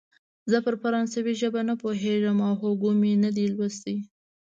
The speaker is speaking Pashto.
زه پر فرانسوي ژبه نه پوهېږم او هوګو مې نه دی لوستی.